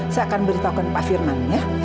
saya akan beritahukan pak firman ya